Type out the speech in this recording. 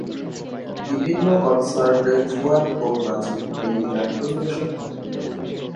বিভিন্ন কনসার্টে ফুয়াদ ও রাজীব এই গান পরিবেশন করেন।